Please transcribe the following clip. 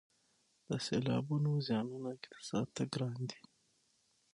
د سیلابونو زیانونه اقتصاد ته ګران دي